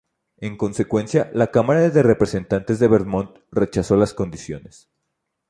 En consecuencia, La Cámara de Representantes de Vermont rechazó las condiciones.